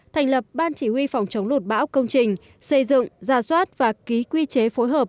thành lập ban chỉ huy phòng chống lụt bão công trình xây dựng gia soát và ký quy chế phối hợp